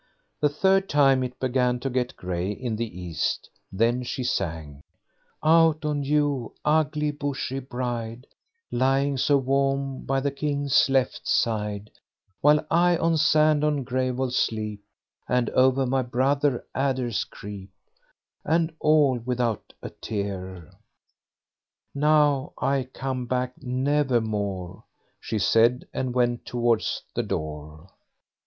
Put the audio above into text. The third time it began, to get gray in the east; then she sang, Out on you, ugly Bushy Bride, Lying so warm by the King's left side; While I on sand and gravel sleep, And over my brother adders creep, And all without a tear. "Now I come back never more", she said, and went towards the door.